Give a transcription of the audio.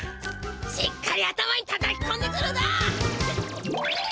しっかり頭にたたきこんでくるだ！